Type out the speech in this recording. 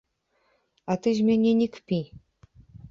А ты з мяне не кпі!